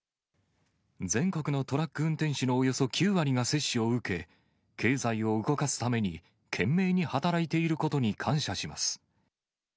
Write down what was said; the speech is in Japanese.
全国のトラック運転手のおよそ９割が接種を受け、経済を動かすために、懸命に働いていることに感謝します。